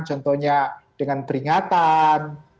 contohnya dengan peringatan